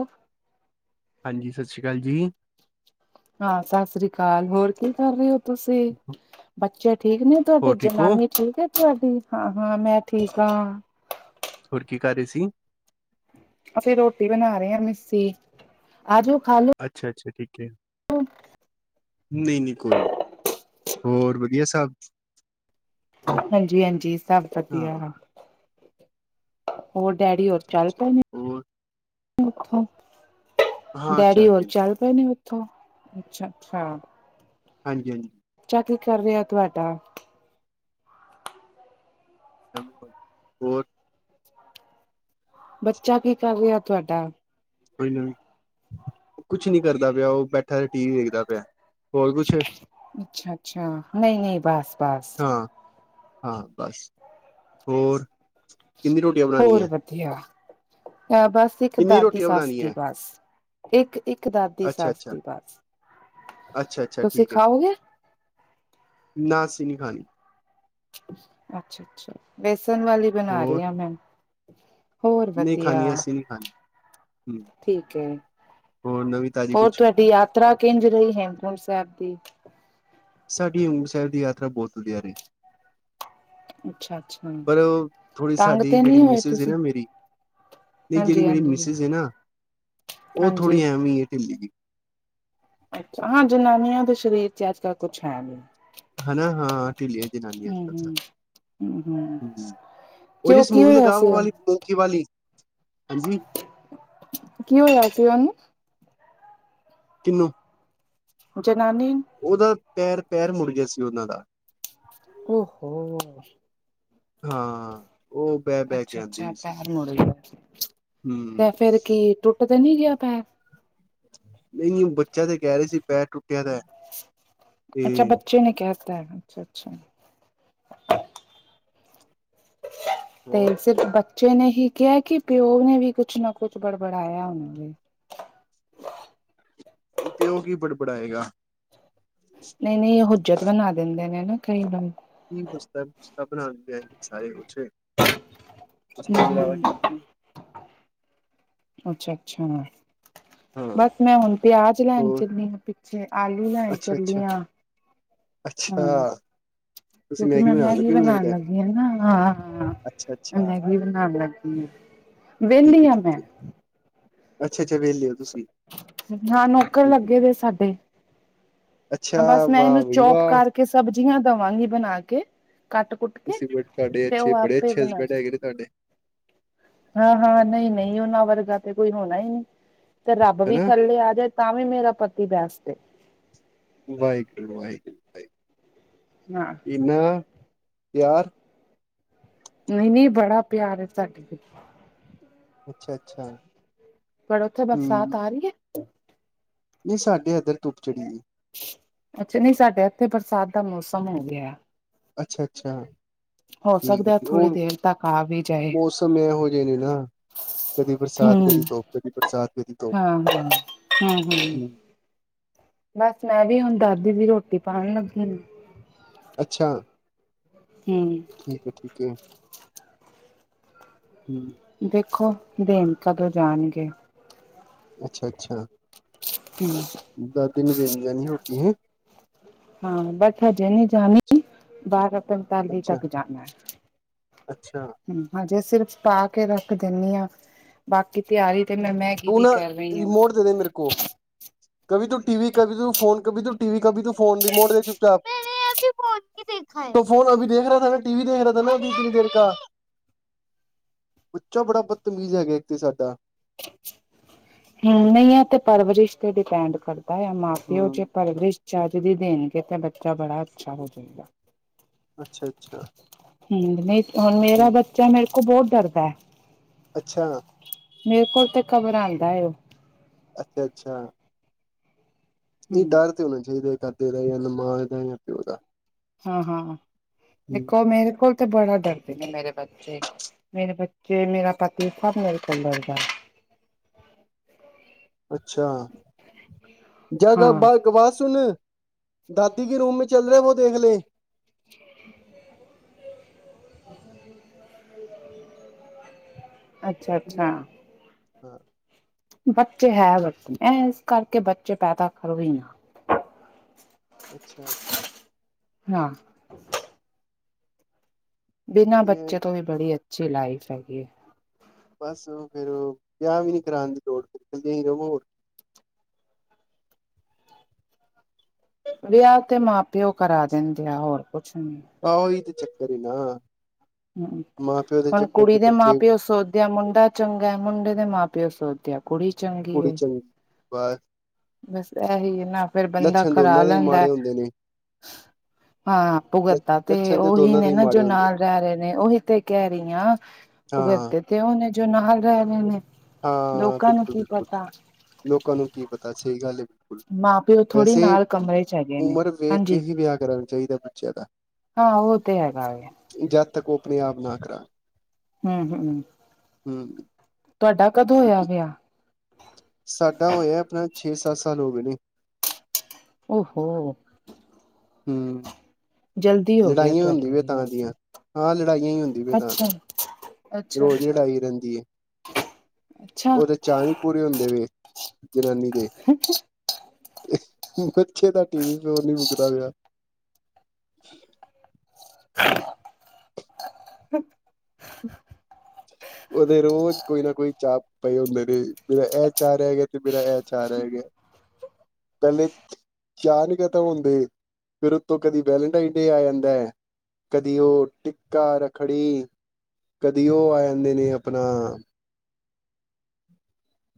ਉਹ [inaudible] [inaudible] ਹਾਂਜੀ ਸਤਿ ਸ਼੍ਰੀ ਅਕਾਲ ਜੀ ਹਾਂ ਸਤਿ ਸ਼੍ਰੀ ਅਕਾਲ ਹੋਰ ਕੀ ਕਰ ਰਹੇ ਹੋ? ਤੁਸੀਂ ਬੱਚੇ ਠੀਕ ਨੇ ਤੁਹਾਡੇ ਹੋਰ ਠੀਕ ਹੋ ਜਨਾਨੀ ਠੀਕ ਹੈ ਤੁਹਾਡੀ ਹਾਂ ਹਾਂ ਮੈਂ ਠੀਕ ਹਾਂ। ਹੋਰ ਕੀ ਕਰ ਰਹੇ ਸੀ? ਅਸੀਂ ਰੋਟੀ ਬਣਾ ਰਹੇ ਹਾਂ ਮਿੱਸੀ ਆਜ ਖ ਲੋ। ਅੱਛਾ ਅੱਛਾ ਠੀਕ ਹੈ। ਨਹੀਂ ਨਹੀਂ ਕੋਈ ਹੋਰ ਵਧੀਆ ਸਾਬ। ਹਾਂਜੀ ਹਾਂਜੀ ਸਭ ਹਾਂ ਵਧੀਆ। ਹੋਰ ਡੈਡੀ ਹੋਰ ਅੱਛਾ ਚੱਲ ਅੱਛਾ ਪਏ ਨੇ। ਹੋਰ ਹਾਂ ਡੈਡੀ ਚਾਰ ਹੋਰ ਦਿਨ ਚੱਲ ਪਏ ਨੇ ਉਥੋਂ ਅੱਛਾ ਅੱਛਾ। ਹਾਂਜੀ ਹਾਂਜੀ। ਬੱਚਾ ਕੀ ਕਰ ਰਿਹਾ ਤੁਹਾਡਾ। ਬਕਲ ਹੋਰ [inaudible] ਬੱਚਾ ਕੀ ਕਰ ਰਿਹਾ ਤੁਹਾਡਾ? ਕੋ ਨਾ। ਕੁਛ ਨੀ ਕਰਦਾ ਪਿਆ ਉਹ ਬੈਠਾ ਤੇ ਟੀ ਵੀ ਦੇੇਖਦਾ ਪਿਆ। ਹੋਰ ਕੁਛ ਅੱਛਾ ਅੱਛਾ ਨਹੀਂ ਨਹੀਂ ਬਸ ਬਸ। ਹਾਂ ਹਾਂ ਬਸ ਹੋਰ? ਕਿੰਨੀ ਰੋਟੀਆਂ ਬਣਾਉਣੀ ਹੋਰ ਹੈ ਵਧੀਆ। ਬਸ ਇੱਕ ਕਿੰਨੀ ਦਾਦੀ ਰੋਟੀਆਂ ਸੱਸ ਬਣਾਉਣੀ ਦੀ ਹੈ ਬਸ। ਇੱਕ ਇੱਕ ਦਾਦੀ ਅੱਛਾ ਸੱਸ ਅੱਛਾ ਦੀ ਬਸ। ਅੱਛਾ ਅੱਛਾ ਤੁਸੀਂ ਠੀਕ ਹੈ ਖਾਓਗੇ? ਨਾ ਅੱਸੀ ਨੀਂ ਖਾਣੀ। ਅੱਛਾ ਅੱਛਾ ਵੇਸਨ ਵਾਲੀ ਬਣਾ ਹੋਰ ਰਹੀ ਹਾਂ ਮੈਂ। ਹੋਰ ਨਹੀਂ ਵਧੀਆ। ਖਾਣੀ ਅਸੀਂ ਨਹੀਂ ਖਾਣੀ ਹਮ, ਠੀਕ ਹੈ। ਹੋਰ ਨਵੀਂ ਤਾਜ਼ੀ ਹੋਰ ਕੁਛ ਤੁਹਾਡੀ ਯ ਤਰਾ ਕੇਜ ਰਹੀ ਹੇਮਕੁੰਡ ਸਾਹਿਬ ਦੀ? ਸਾਡੀ ਹੇਮਕੁੰਟ ਸਾਹਿਬ ਦੀ ਯਾਤਰਾ ਬਹੁਤ ਵਧੀਆ ਰਹੀ। ਅੱਛਾ-ਅੱਛਾ ਪਰ ਉਹ ਥੋੜ੍ਹੀ ਤੰਗ ਸਾਡੀ ਤੇ ਜਿਹੜੀ ਨਹੀਂ ਹੋਏ ਮਿਸਿਸ ਸੀ ਤੁਸੀਂ? ਨਾ ਮੇਰੀ ਨਹੀਂ ਜਿਹੜੀ ਮੇਰੀ ਹਾਂਜੀ-ਹਾਂਜੀ, ਹਾਂਜੀ ਮਿਸਿਿਸ ਹੈ ਨਾ ਉਹ ਹਾਂਜੀ, ਥੋੜੀ ਐਵੇਂ ਢਿੱਲੀ ਗਈ। ਅੱਛਾ ਹਾਂ ਜਨਾਨੀਆਂ ਦੇ ਸਰੀਰ ਚ ਅੱਜ ਕੱਲ ਕੁਛ ਹੈ ਨੀ। ਹਨਾ ਹਾਂ ਲੀ ਦਿਨ ਹੂੰ-ਹੂੰ, [inaudible] ਹੂੰ-ਹੂੰ ਉਹ ਜੜ ਕਿਉਂ ਕੀ ਸਮੂਵੀ ਹੋਇਆ ਲਗਾ ਸੀ ਉਹਨੂੰ? ਵਾਲੀ ਮਖੀ ਵਾਲੀ ਹਾਂਜੀ [inaudible] ਕੀ ਹੋਇਆ ਸੀ ਉਹਨੂੰ? ਕਿੰਨੂੰ? ਜਨਾਨੀ ਉਹਦਾ ਪੈਰ ਪੈਰ ਮੁੜ ਗਿਆ ਸੀ ਉਹਨਾਂ ਦਾ। ਓ ਹੋ। ਹਾਂ ਉਹ ਬਹਿ ਬਹਿ ਕੇ ਅੱਛਾ ਆਉਂਦੀ ਅੱਛਾ ਵੀ ਸੀ ਪੈਰ ਮੁੜ ਗਿਆ। ਹੂੰ ਤੇ ਫੇਰ ਕੀ ਟੁੱਟ ਤੇ ਨੀ ਗਿਆ ਪੈਰ? ਨਹੀਂ ਬੱਚਾ ਤੇ ਕਹਿ ਰਹੇ ਸੀ ਪੈਰ ਟੁੱਟਿਆ ਤਾਂ ਅੱਛਾ ਬੱਚੇ ਨੇ ਕਹਿਤਾ ਹੈ ਅੱਛਾ ਅੱਛਾ। ਤੇ ਹੋਰ ਸਿਰਫ ਬੱਚੇ [unintelligible] ਬੱਚੇ ਨੇ ਹੀ ਕਿਹਾ ਕਿ ਪਿਓ ਨੇ ਵੀ ਕੁਛ ਨਾ ਕੁਛ ਬੜਬੜਾਇਆ ਉਹਨਾਂ ਨੇ। ਪਿਉ ਕੀ ਬੜਬੜਾਏਗਾ। ਨਹੀਂ ਨਹੀਂ ਇਹ ਹਜਤ ਬਣਾ ਦਿੰਦੇ ਨੇ ਹਨਾ ਕਈ ਲੋਕ। ਕੀ ਪੁ ਪੁ ਆਪਣਾ ਸਾਰੇ ਉਠੇ ਪੁਸਲਾ [unintelligible] ਅੱਛਾ ਅੱਛਾ। ਹਾਂ ਬਸ ਮੈਂ ਹੁਣ ਪਿਆਜ ਲੈਣ ਹੋਰ ਚੱਲੀ ਹਾਂ ਪਿੱਛੇ ਆਲੂ ਲੈਣ ਅੱਛਾ ਅੱਛਾ ਚੱਲੀ ਹਾਂ। ਅੱਛਾ ਹਾਂ ਤੁਸੀਂ ਕਿਉਂਕਿ ਮੈਂ ਮੈਗੀ ਲੱਗੇ ਹੋ ਮੈਨੂੰ ਬਣਾਉਣ ਲੱਗਦਾ ਲੱਗੀ ਹ ਨਾ, ਅੱਛਾ ਮੈਂ ਅੱਛਾ ਮੈਗੀ ਬਣਾਉਣ ਲੱਗੀ। ਹਮ [unintelligible] ਠੀਕ ਹੈ ਠੀਕ ਹੈ ਅੱਛਾ ਅੱਛਾ ਵਿਹਲੇ ਹੋ। ਤੁਸੀਂ ਹਾਂ ਨੌਕਰ ਠੀਕ ਹੈ ਲੱਗੇ ਵੇ ਸਾਡੇ। ਐ ਅੱਛਾ ਬਸ ਮੈਂ ਏਨੂੰ ਵਾਹ ਬਈ ਚੋਪ ਵਾਹ ਕਰਕੇ ਸਬਜ਼ੀਆਂ ਦਵਾਂਗੀ ਬਣਾ ਕੇ ਕੱਟ-ਕੁੱ ਤੁਸੀ ਬ ਤਾਡੇ ਅੱਛੇ ਬੜੇ ਅੱਛੇ ਹਸਬੈਂਡ ਹੈਗੇ ਨੇ ਤਾਡੇ। ਹਾਂ-ਹਾਂ, ਨਈ-ਨਈ ਓਨਾਂ ਵਰਗਾ ਤੇ ਕੋਈ ਹੋਣਾ ਈ ਨੀ। ਤੇ ਰੱਬ ਵੀ ਹਨਾ ਥੱਲੇ ਆ ਜਾਏ ਤਾਂ ਵੀ ਮੇਰਾ ਪਤੀ ਬੈਸਟ ਏ। ਵਾਏਗੁਰੂ-ਵਾਏਗੁਰੂ-ਵਾਏਗੁਰੂ। ਨਾ। ਏਨਾ ਪਿਆਰ ਨਈ-ਨਈ ਬੜਾ ਪਿਆਰ ਏ ਸਾਡੇ ਵਿੱਚ। ਅੱਛਾ-ਅੱਛਾ। ਤੋਆਡੇ ਉੱਥੇ ਬਰਸਾਤ ਆ ਰੀ ਐ? ਨਈ ਸਾਡੇ ਏਧਰ ਧੁੱਪ ਚੜੀ ਦੀ ਏ। ਅੱਛਾ ਨਈ ਸਾਡੇ ਇੱਥੇ ਬਰਸਾਤ ਦਾ ਮੌਸਮ ਹੋ ਗਿਆ। ਅੱਛਾ-ਅੱਛਾ। ਹੋ ਠੀਕ ਏ ਸਕਦਾ ਥੋੜ੍ਹੀ ਔਰ ਦੇਰ ਤੱਕ ਆ ਵੀ ਜਾਏ ਮੌਸਮ ਈ ਐਹੋ ਜੇ ਨੇ ਨਾ। ਕਦੀ ਬਰਸਾਤ, ਕਦੀ ਧੋਪ, ਕਦੀ ਬਰਸਾਤ, ਕਦੀ ਧੋ ਹਾਂ ਜੀ ਹਾਂ। ਹੂੰ-ਹੂੰ ਬਸ ਮੈਂ ਵੀ ਹੁਣ ਦਾਦੀ ਦੀ ਰੋਟੀ ਪਾਣ ਲੱਗੀ ਉਂ। ਅੱਛਾ। ਹੂੰ। ਠੀਕ ਏ-ਠੀਕ ਏ, ਹੂੰ। ਦੇਖੋ ਦੇਣ ਕਦੋਂ ਜਾਣਗੇ। ਅੱਛਾ-ਅੱਛਾ। ਹੂੰ। ਦਾਦੀ ਨੂੰ ਦੇਣ ਜਾਂਨੀ ਏ ਰੋਟੀ, ਹੈਂ। ਹਾਂ, ਬਟ ਹਜੇ ਨੀ ਜਾਣੀ ਬਾਰ ਰ ਪਨਤਾਲੀ ਅੱਛਾ ਤੱਕ ਜਾਣਾ ਐ। ਅੱਛਾ ਹੂੰ ਹਜੇ ਸਿਰਫ ਪਾ ਕੇ ਰੱਖ ਦੇਨੀਂ ਆ ਬਾਕੀ ਤਿਆਰੀ ਤੇ ਮੈਂ, ਮੈਂ ਹੁਣ ਰਿਮੋਟ ਦੇ ਦੇ ਮੇਰੇ ਕੋ। ਕਭੀ ਤੂੰ ਟੀਵੀ, ਕਭੀ ਤੂੰ ਫੋਨ, ਕਭੀ ਤੂੰ ਟੀਵੀ ਕਭੀ ਤੂੰ ਫੋਨ ਰਿਮੋਟ ਦੇ ਚੁੱਪ ਚਾਪ। ਅਭੀ ਫੋਨ ਪੇ ਦੇਖਾ ਐ। ਤੋ ਫ਼ੋਨ ਅਭੀ ਦੇਖ ਰਾ ਥਾ ਨਾ, ਟੀ ਵੀ ਦੇਖ ਰਾ ਥਾ ਨਾ ਕਿਤਨੀ ਦੇਰ ਕਾ। ਬੱਚਾ ਬੜਾ ਬਦਤਮੀਜ਼ ਹੈਗਾ ਏੱਕ ਤੇ ਸਾਡਾ। ਹੂੰ ਨਈ ਐ ਤੇ ਪਰਵਰਿਸ਼ ਤੇ ਡਿਪੈਂਡ ਕਰਦੈ। ਐ ਮਾਂ ਪਿਓ ਜੇ ਹੂੰ ਪਰਵਰਿਸ਼ ਚਜ ਦੀ ਦੇਣਗੇ ਤਾਂ ਬੱਚਾ ਬੜਾ ਅੱਛਾ ਹੋਜੇਗਾ। ਅੱਛਾ-ਅੱਛਾ। ਹੂੰ ਮੇਂ ਹ ਮੇਰਾ ਬੱਚਾ ਮੇਰੇ ਕੋ ਬੋ ਡਰਦੈ। ਅੱਛਾ! ਮੇਰੇ ਕੋਲ ਤੇ ਘਬਰਾਂਦਾ ਏ ਓ। ਅੱਛਾ-ਅੱਛਾ। ਨਈ ਹੂੰ, ਡਰ ਤੇ ਹੋਣਾ ਚਾਈਦੈ ਦਾਦੇ ਦਾ ਯਾਂ ਨਾ ਮਾਂ ਦਾ ਯਾਂ ਪਿਓ ਦਾ। ਹਾਂ-ਹਾਂ ਦੇਖੋ ਮੇਰੇ ਕੋਲ ਤੇ ਬੜਾ ਡਰਦੇ ਨੇ ਮੇਰੇ ਬੱਚੇ। ਮੇਰੇੇ ਬੱ ਜਿਵੇਂ ਮੇਰਾ ਪਤੀ ਸਭ ਮੇਰੇ ਕੋਲ ਨੇ ਹਜੇ ਤਕ। ਅੱਛਾ ਜਦ [unintelligible] ਹਾਂ। ਬਾਰ ਏੱਕ ਬਾਤ ਸੋਨੰ। ਦਾਦੀ ਕੇ ਰੂਮ ਮੇਂ ਚੱਲ ਰੇਐ ਵੋ ਦੇਖ ਲੇ। [inaudible] ਅੱਛਾ-ਅੱਛਾ। ਹਾਂ। ਬੱਚੇ ਹੈ ਬਸ ਐਸ ਕਰਕੇ ਬੱਚੇ ਪੈਦਾ ਕਰੋ ਈ ਨਾ। ਅੱਛਾ। ਹਾਂ। ਬਿਨਾਂ ਬੱਚੇ ਤੋਂ ਵੀ ਬੜੀ ਅੱਛੀ ਲਾਈਫ ਹੈਗੀ ਏ। ਬਸ ਫੇਰ ਉਹ ਵਿਆਹ ਵੀ ਨੀ ਕਰਾਣ ਦੀ ਲੋੜ ਫਿਰ ਇਕੱਲੇ ਈ ਰਵੋ। ਵਿਆਹ ਤੇ ਮਾਂ-ਪਿਓ ਕਰਾ ਦਿੰਦੇ ਆ, ਹੋਰ ਕੁਛ ਨੀ ਆਹੋ, ਈ ਤੇ ਚੱਕਰ ਏ ਨਾ। ਹਂ, ਮਾਂ ਪਿਓ ਦੇ ਹੁਣ ਚੱਕਰ ਕੁੜੀ ਚ ਦੇ ਬੱਚੇ ਮਾਂ-ਪਿਓ ਸੋਚਦਿਆਂ ਮੁੰਡਾ ਚੰਗਾ, ਮੁੰਡੇ ਦੇ ਮਾਂ-ਪਿਓ ਸੋਚਦਿਆ ਕੁੜੀ ਚੰਗੀ ਏ, ਬਸ ਬਸ ਇਹੀ ਐ ਨਾ। ਫੇਰ ਬੰਦਾ ਲੱਛਣ ਕਰਾ ਦੋਨਾਂ ਦੇ ਹੀ ਲੈਂਦਾ ਏ। ਮਾੜੇ ਹੁੰਦੇ ਨੇ ਹਾਂ, ਭੁਗਤ ਲ ਦਾ ਤੇ ਲੱਛਣ ਉਹੀ ਦੋਨਾਂ ਦੇ ਨੇ ਹੀ ਨਾ ਜੋ ਮਾੜੇ ਹੁੰਦੇ ਨੇ ਨਾਲ ਰਹਿ ਰਹੇ ਨੇ ਉਹੀ ਤੇ ਕਹਿ ਰਹੀ ਆਂ, ਹਾਂ ਭੁਗਤਦੇ ਤੇ ਉਹ ਨੇ ਜੋ ਨਾਲ ਰਹਿ ਰਹੇ ਨੇ। ਹਾਂ ਲੋਕਾਂ ਨੂੰ ਬਿਲਕੁਲ ਕੀ ਬਿਲਕੁਲ ਪਤਾ। ਲੋਕਾਂ ਨੂੰ ਕੀ ਪਤਾ। ਸਹੀ ਗੱਲ ਏ। ਮਾਂ ਪਿਓ ਥੋੜ੍ਹੀ ਵੈਸੇ, ਨਾਲ ਕਮਰੇ ਚ ਹੈਗੇ ਨੇ ਉਮਰ ਵੇਖ ਕੇ ਹਾਂਜੀ ਹੀ ਵਿਆਹ ਕਰਾਨਾ ਚਾਈਦਾ ਬੱਚਿਆਂ ਦਾ। ਹਾਂ, ਉਹ ਤੇ ਹੈਗਾ ਵੇ। ਜਦ ਤੱਕ, ਉਹ ਆਪਣੇ ਆਪ ਨਾ ਕਰਾਨ। ਹਂ, ਹਂ। ਹਂ। ਤੁਆਡਾ ਕਦੋਂ ਹੋਇਆ ਵਿਆਹ? ਸਾਡਾ ਹੋਇਆ ਆਪਣਾ, ਛੇ-ਸੱਤ ਸਾਲ ਹੋ ਗਏ ਨੇ। ਓਹਹੋੋ! ਹਂ। ਜਲਦੀ ਹੋ ਗਿਆ ਲੜਾਈਆਂ ਤੁਹਾਡਾ ਹੁੰਦੀ ਵੇ ਵੀ ਤਾਂ ਵੈਸੇ। ਦੀਆਂ। ਹਾਂ, ਲੜਾਈਆਂ ਹੀ ਹੁੰਦੀ ਵੇ ਤਾਂ ਅੱਛਾ, ਅੱਛਾ, ਰੋਜ਼ ਅੱਛਾ, ਲੜਾਈ ਰਹਿੰਦੀ ਐ। ਅੱਛਾ ਉਹਦੇ ਚਾਅ ਨੀ ਪੂਰੇ ਹੁੰਦੇ ਵੇ, ਜਨਾਨੀ ਦੇ। [unintelligible] ਕਿ ਅ੍ਹ, ਬੱਚੇ ਦਾ ਟੀਵੀ, ਫੋਨ ਨੀ ਮੁਕਦਾ ਪਿਆ। [inaudible] ਉਹਦੇ ਰੋਜ਼ ਕੋਈ ਨਾ ਕੋਈ ਚਾਹ ਪਏ ਹੁੰਦੇ ਨੇ, ਮੇਰਾ ਇਹ ਚਾਹ ਰਹਿ ਗਿਆ ਤੇ ਮੇਰਾ ਇਹ ਚਾਹ ਰੇਹ ਗਿਆ, ਪਹਲੇ ਚਾਹ ਨਈਂ ਖਤਮ ਹੁੰਦੇ, ਫਿਰ ਉੱਤੋਂ ਕਦੀ ਵੈਲਟਾਈਨ-ਡੇ ਆ ਜਾਂਦਾ ਏ। ਕਦੀ ਉਹ ਟਿੱਕਾ, ਰੱਖੜੀ, ਕਦੀ ਉਹ ਆ ਜਾਂਦੇ ਨੇ ਆਪਣਾ [inaudible]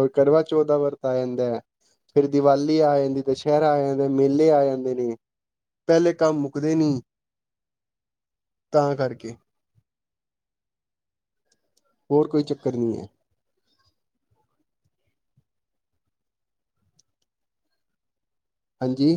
ਔਰ ਕਰਵਾ-ਚੌਥ ਦਾ ਵਰਤ ਆ ਜਾਂਦਾ ਏ। ਫਿਰ ਦੀਵਾਲੀ ਆ ਜਾਂਦੀ, ਦੁਸਹਿਰਾ ਆ ਜਾਂਦਾ, ਮੇਲੇ ਆ ਜਾਂਦੇ ਨੇ। ਪਹਿਲੇ ਕੰਮ ਮੁੱਕਦੇ ਨੀ, ਤਾਂ ਕਰਕੇ। ਹੋਰ ਕੋਈ ਚੱਕਰ ਨ੍ਹੀਂ ਐ। ਹਾਂਜੀ।